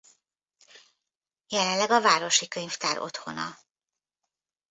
Jelenleg a városi könyvtár otthona.